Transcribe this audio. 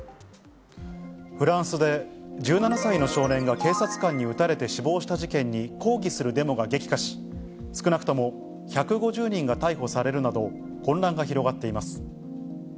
フランスで１７歳の少年が警察官に撃たれて死亡した事件に抗議するデモが激化し、少なくとも１５０人が逮捕されるなど、混乱が広がっています。